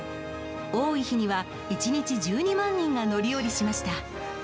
多い日には１日１２万人が乗り降りしました。